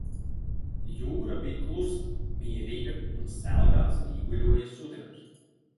Jūra bij klusa, mierīga un selgā zvīguļoja sudrabs.